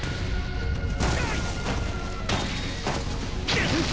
うっ！